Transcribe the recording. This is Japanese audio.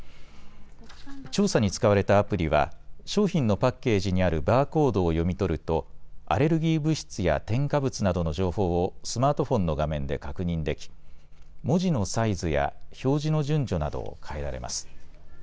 調査に使われたアプリは商品のパッケージにあるバーコードを読み取るとアレルギー物質や添加物などの情報をスマートフォンの画面で確認でき文字のサイズや表示の順序などを変えられます。